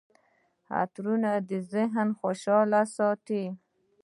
عطرونه د ذهن خوشحاله ساتي.